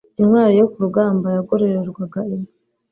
Intwari yo ku rugamba yagororerwaga inka.